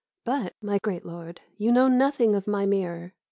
But, my great lord, you know nothing of my mirror.